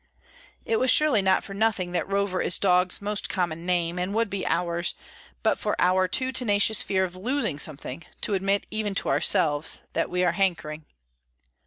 It was surely not for nothing that Rover is dog's most common name, and would be ours, but for our too tenacious fear of losing something, to admit, even to ourselves, that we are hankering.